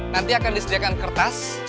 nanti akan disediakan kertas